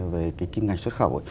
về cái kinh ngành xuất khẩu